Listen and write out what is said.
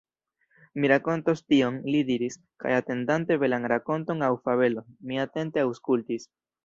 Mi rakontos tion, li diris, kaj atendante belan rakonton aŭ fabelon, mi atente aŭskultis.